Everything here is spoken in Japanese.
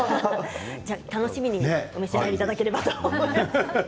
楽しみにお召し上がりいただければと思います。